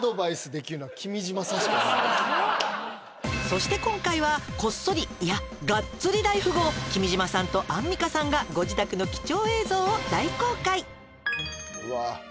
「そして今回はこっそりいやガッツリ大富豪君島さんとアンミカさんがご自宅の貴重映像を大公開！」